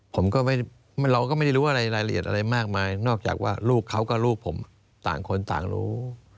ผมก็ไม่เราก็ไม่ได้รู้อะไรรายละเอียดอะไรมากมายนอกจากว่าลูกเขากับลูกผมต่างคนต่างรู้